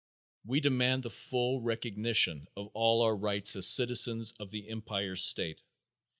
"We demand the full recognition of all our rights as citizens of the Empire State.